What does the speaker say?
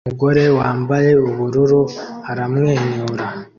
Umugore wambaye ubururu aramwenyura